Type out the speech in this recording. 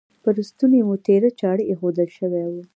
پر ستوني مو تیره چاړه ایښودل شوې وه.